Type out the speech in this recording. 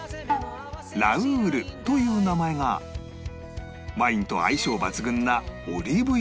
ラウールという名前がワインと相性抜群なオリーブ入りのパン